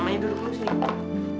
mama duduk dulu mama duduk dulu sini